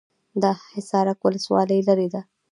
د حصارک ولسوالۍ لیرې ده